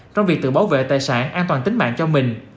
trong việc tự bảo vệ tài sản an toàn tính mạng cho mình